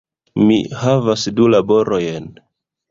Mi havas du laborojn